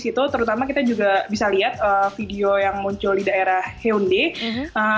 sekali di situ terutama kita juga bisa lihat video yang muncul di daerah haeundae